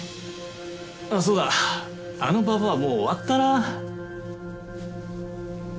あっそうだあのババアもう終わったな。